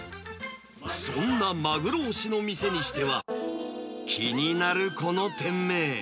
そんなマグロ推しの店にしては、気になるこの店名。